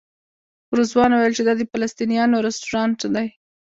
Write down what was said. رضوان وویل چې دا د فلسطینیانو رسټورانټ دی.